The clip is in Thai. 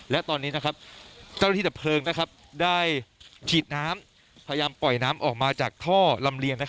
และตอนนี้เจ้าหน้าที่ดับเพลิงได้ฉีดน้ำพยายามปล่อยน้ำออกมาจากท่อลำเลียง